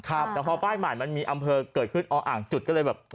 แต่พอป้ายใหม่มันมีอำเภอเกิดขึ้นอ๋ออ่างจุดก็เลยแบบ